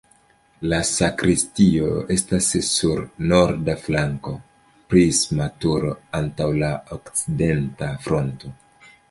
La sakristio estas sur norda flanko, prisma turo antaŭ la okcidenta fronto.